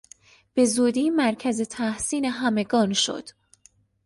به زودی مرکز تحسین همگان شد.